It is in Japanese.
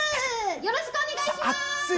よろしくお願いします。